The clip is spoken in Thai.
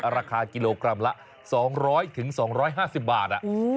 ราคากิโลกรัมละ๒๐๐๒๕๐บาท